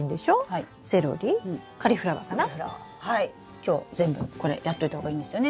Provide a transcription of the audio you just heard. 今日全部これやっといた方がいいんですよね？